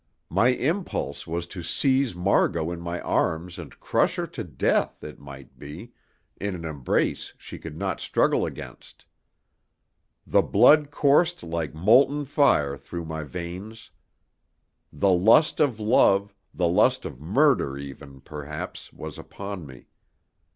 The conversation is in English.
My impulse was to seize Margot in my arms and crush her to death, it might be, in an embrace she could not struggle against. The blood coursed like molten fire through my veins. The lust of love, the lust of murder even, perhaps, was upon me.